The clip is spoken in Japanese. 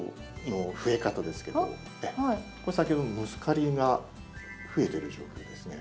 これ先ほどのムスカリが増えてる状況ですね。